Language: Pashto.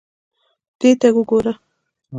دې ته وګوره.